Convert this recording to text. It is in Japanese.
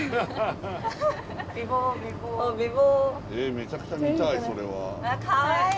めちゃくちゃ見たいそれは。